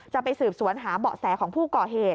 จะไปสืบสวนหาเบาะแสของผู้ก่อเหตุ